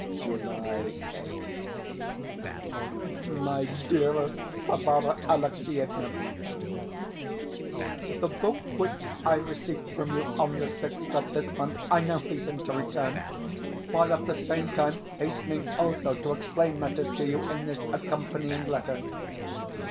July 8th. MY DEAREST BARBARA ALEXIEVNA, The book which I received from you on the 6th of this month I now hasten to return, while at the same time hastening also to explain matters to you in this accompanying letter.